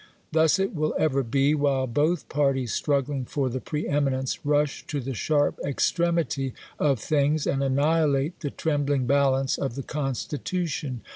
Thus it will ever be, while both parties struggling for the pre eminence rush to the sharp extremity of things, and annihilate the trembling balance of the constitution.